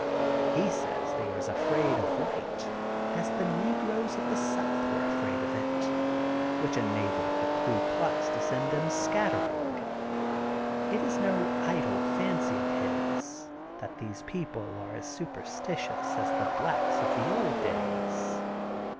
He says they are as afraid of white as the negroes of the South were afraid of it, which enabled the Klu Klux to send them scattering. It is no idle fancy of his that these people are as superstitious as the blacks of the old days.